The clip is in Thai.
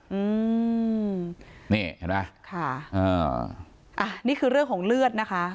อืมนี่เห็นไหมค่ะอ่าอ่ะนี่คือเรื่องของเลือดนะคะ